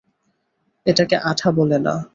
এটাকে আঠা বলে না।